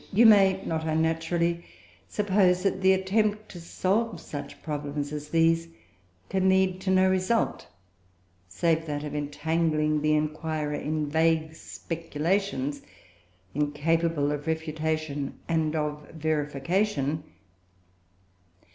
You may not unnaturally suppose that the attempt to solve such problems as these can lead to no result, save that of entangling the inquirer in vague speculations, incapable of refutation and of verification.